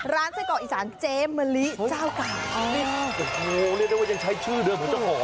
ร้านไส้เกาะอีสานเจ๊มะลิเจ้าขายโหเรียกได้ว่ายังใช้ชื่อเดิมของเจ้าของ